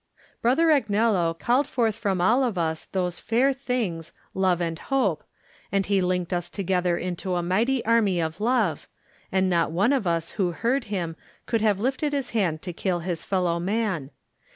Brother Agnello called forth from all of us those fair things, love and hope, and he linked us together into a mighty army of love, and not one of us who heard him could have lifted his hand to kill his fellow man.